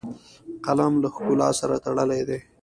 قلم له ښکلا سره تړلی دی